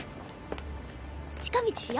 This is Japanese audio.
近道しよ。